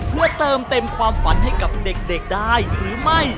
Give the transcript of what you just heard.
เพื่อเติมเต็มความฝันให้กับเด็กได้หรือไม่